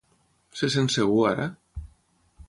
Se sent segur ara?